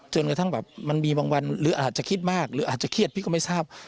กระทั่งแบบมันมีบางวันหรืออาจจะคิดมากหรืออาจจะเครียดพี่ก็ไม่ทราบ